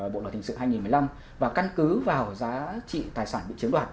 bộ luật hình sự hai nghìn một mươi năm và căn cứ vào giá trị tài sản bị chiếm đoạt